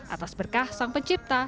atas berkah sang pencipta